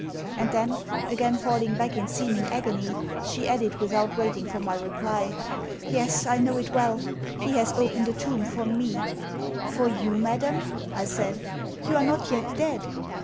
And then, again falling back in seeming agony, she added without waiting for my reply, 'Yes, I know it well, he has opened a tomb for me.' 'For you, madam?' I said, 'you are not yet dead.'